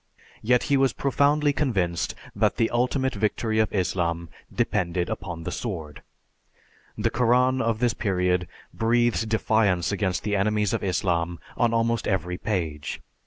Yet he was profoundly convinced that the ultimate victory of Islam depended upon the sword. The Koran of this period breathes defiance against the enemies of Islam on almost every page.